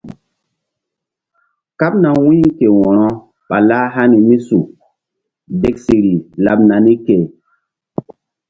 Kaɓna wu̧y ke wo̧ro ɓa lah hani mí su deksiri laɓ nani ke.